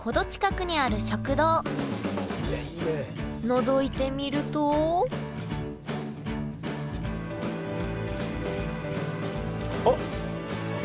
のぞいてみるとあっ！